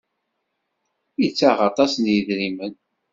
Ittaɣ aṭas n yidrimen.